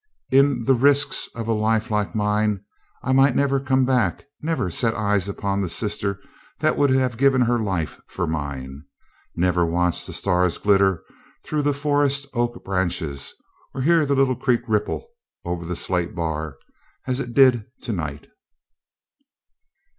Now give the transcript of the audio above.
In the risks of a life like mine, I might never come back never set eyes again upon the sister that would have given her life for mine! Never watch the stars glitter through the forest oak branches, or hear the little creek ripple over the slate bar as it did to night.